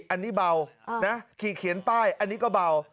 อันนี้เบานะขี่เขียนป้ายอันนี้ก็เบา